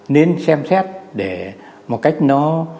nên xem xét để một cách nó